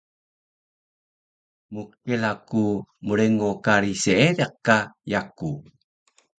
Mkela ku mrengo kari Seediq ka yaku